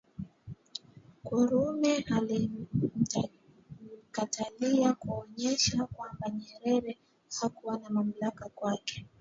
Karume alimkatalia kuonesha kwamba Nyerere hakuwa na mamlaka kwake